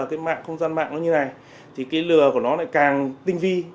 cái mạng không gian mạng nó như này thì cái lừa của nó lại càng tinh vi